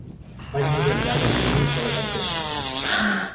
Vaig més enllà dels límits de la tempesta.